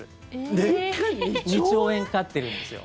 ２兆円かかってるんですよ